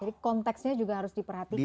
jadi konteksnya juga harus diperhatikan